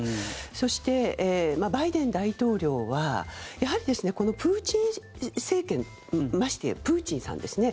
そして、バイデン大統領はやはりプーチン政権ましてやプーチンさんですね。